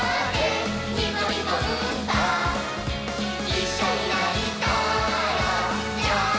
「いっしょにないたら」